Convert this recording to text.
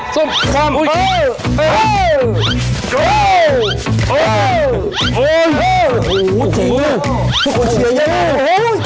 ทุกคนเชียร์เยี่ยม